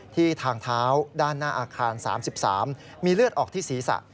ทางเท้าด้านหน้าอาคาร๓๓มีเลือดออกที่ศีรษะ